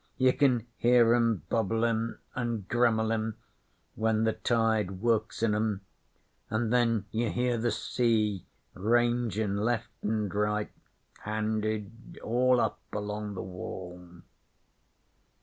You can hear 'em bubblin' an' grummelin' when the tide works in 'em, an' then you hear the sea rangin' left and right handed all up along the Wall.